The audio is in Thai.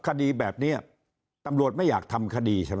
คดีแบบนี้ตำรวจไม่อยากทำคดีใช่ไหม